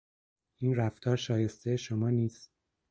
این رفتار شایستهی شما نیست.